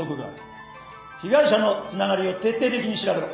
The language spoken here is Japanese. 被害者のつながりを徹底的に調べろ。